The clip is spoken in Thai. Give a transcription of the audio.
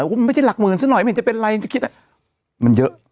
คุณไม่ใช่หลักหมื่นซะหน่อยไม่เห็นจะเป็นไรที่คิดมันเยอะ